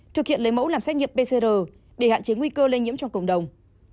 thực hiện lấy mẫu làm xét nghiệm pcr để hạn chế nguy cơ lây nhiễm trong cộng đồng